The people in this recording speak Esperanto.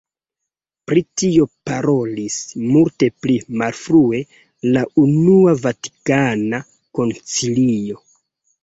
Pri tio parolis multe pli malfrue la Unua Vatikana Koncilio.